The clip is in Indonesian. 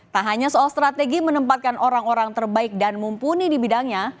tak hanya soal strategi menempatkan orang orang terbaik dan mumpuni di bidangnya